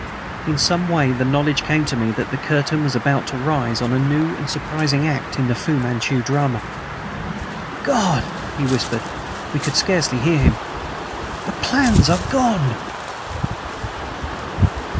In some way the knowledge came to me that the curtain was about to rise on a new and surprising act in the Fu Manchu drama. "God!" he whispered we could scarcely hear him "the plans are gone!"